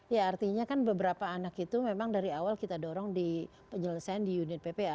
ya artinya kan beberapa anak itu memang dari awal kita dorong di penyelesaian di unit ppa